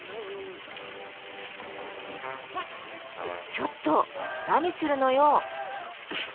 ちょっと何するのよ！